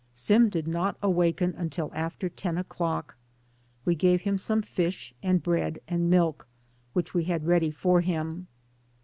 Sim did not awaken until after ten o'clock. We gave him some fish and bread and milk, which we had ready for him.